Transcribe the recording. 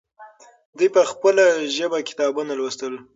دوی په خپله ژبه کتابونه لوستل.